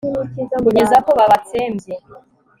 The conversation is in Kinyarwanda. kugeza ko babatsembye